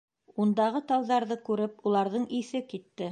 Ундағы тауҙарҙы күреп, уларҙың иҫе китте.